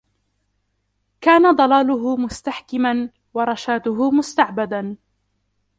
كَانَ ضَلَالُهُ مُسْتَحْكِمًا وَرَشَادُهُ مُسْتَعْبَدَا